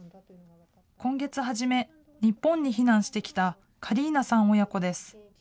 今月初め、日本に避難してきたカリーナさん親子です。